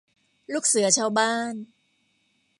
ลูกเสือชาวบ้าน